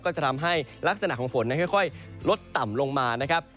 ก็จะทำให้ลักษณะของฝนนั้นค่อยลดต่ำลงมานะครับ